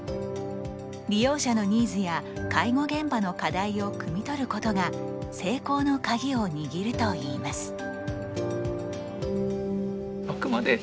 利用者のニーズや介護現場の課題をくみ取ることが成功の鍵を握るといいます。